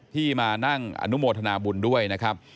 ที่มานั่งอนุโมทนาบุญด้วยนะครับ